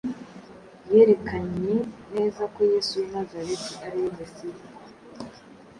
yerekanye neza ko Yesu w’i Nazareti ari we Mesiya;